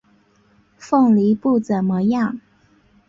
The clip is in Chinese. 凤梨不怎么样